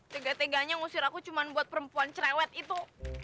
tegak tegaknya ngusir aku cuma buat perempuan cerewet itu